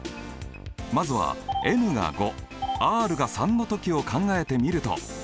まずはｎが５ｒが３の時を考えてみると。